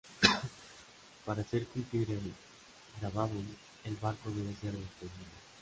Para hacer cumplir el gravamen, el barco debe ser detenido.